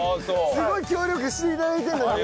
すごい協力して頂いてるのに？